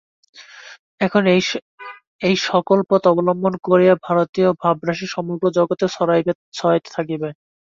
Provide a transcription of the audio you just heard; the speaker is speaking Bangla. এখন এই-সকল পথ অবলম্বন করিয়া ভারতীয় ভাবরাশি সমগ্র জগতে ছড়াইতে থাকিবে।